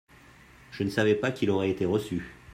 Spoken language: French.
JE ne savais pas qu'il aurait été reçu.